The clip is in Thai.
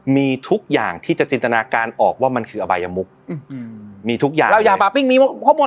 มีทุกอย่างที่จะจินตนาการออกว่ามันคืออบายมุกมีทุกอย่างแล้วยาบาปิ้งมีข้อมูล